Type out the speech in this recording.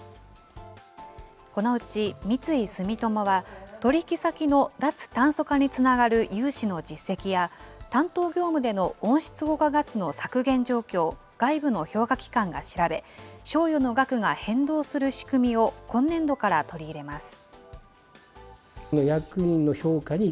このうち三井住友は、取り引き先の脱炭素化につながる融資の実績や、担当業務での温室効果ガスの削減状況を外部の評価機関が調べ、賞与の額が変動する仕組みを今年度から取り入れます。